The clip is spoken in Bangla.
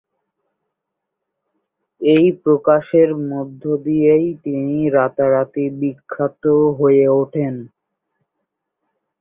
এই প্রকাশের মধ্য দিয়েই তিনি রাতারাতি বিখ্যাত হয়ে উঠেন।